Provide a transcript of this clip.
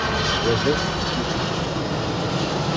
Wa d asefk i kečč.